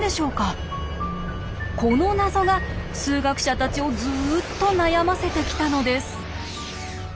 この謎が数学者たちをずっと悩ませてきたのです。